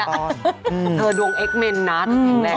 เธอดวงเอ็กเมนนะจริงแหละ